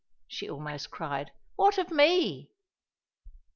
she almost cried, "what of me?"